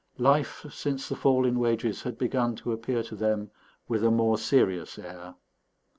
Life, since the fall in wages, had begun to appear to them with a more serious air.